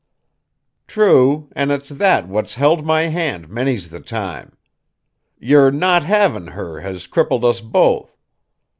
"True; an' it's that what's held my hand many's the time. Yer not havin' her has crippled us both.